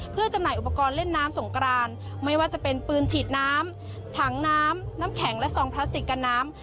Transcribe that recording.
เพื่อจำหน่ายอุปกรณ์เล่นน้ำสงกรานไม่ว่าจะเป็นปืนฉีดน้ำถังน้ำน้ำแข็งและซองพลาสติกกันน้ำ